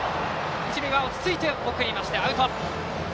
一塁は落ち着いて送ってアウト。